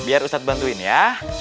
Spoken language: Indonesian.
biar ustadz bantuin ya